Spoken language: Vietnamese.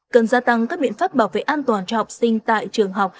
cần gia tăng các biện pháp bảo vệ an toàn cho học sinh tại trường học